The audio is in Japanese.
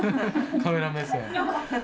カメラ目線。